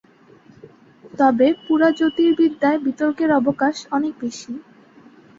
তবে পুরাজ্যোতির্বিদ্যায় বিতর্কের অবকাশ অনেক বেশি।